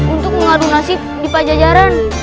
untuk mengadu nasib di pajajaran